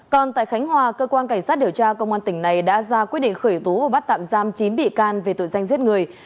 còn tại khánh hòa cơ quan cảnh sát điều tra công an tỉnh này đã ra quyết định khởi tố và bắt tạm giam chín bị can về tội danh giết người